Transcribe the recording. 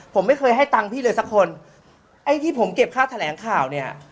ผมไม่เคยให้ตังค์พี่เลยสักคนไอ้ที่ผมเก็บค่าแถลงข่าวเนี่ย